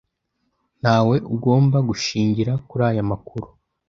Ntawe ugomba gushingira kuri aya makuru